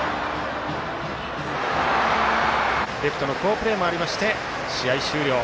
レフトの好プレーもありまして試合終了。